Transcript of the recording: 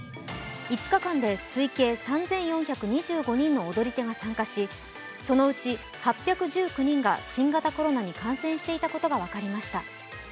５日間で推計３４２５人の踊り手が参加しそのうち８１９人が新型コロナに感染していたことが分かりました。